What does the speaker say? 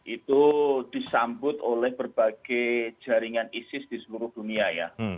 itu disambut oleh berbagai jaringan isis di seluruh dunia ya